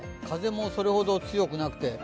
風もそれほど強くなくて。